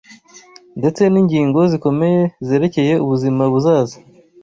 ndetse n’ingingo zikomeye zerekeye ubuzima buzaza.